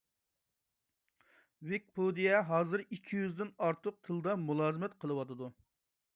ۋىكىپېدىيە ھازىر ئىككى يۈزدىن ئارتۇق تىلدا مۇلازىمەت قىلىۋاتىدۇ.